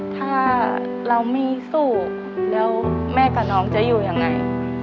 ถ้าเราไม่สู้แล้วแม่กับน้องจะอยู่ยังไง